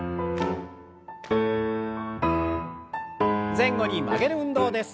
前後に曲げる運動です。